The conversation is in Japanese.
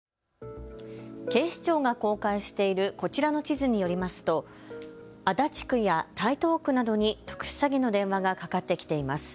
警視庁が公開しているこちらの地図によりますと足立区や台東区などに特殊詐欺の電話がかかってきています。